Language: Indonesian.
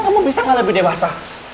kamu bisa nggak lebih dewasa